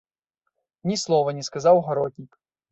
Ні слова не сказаў гаротнік.